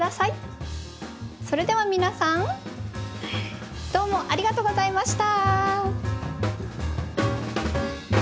それでは皆さんどうもありがとうございました！